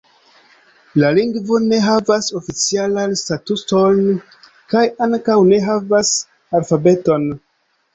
La lingvo ne havas oficialan statuson kaj ankaŭ ne havas alfabeton.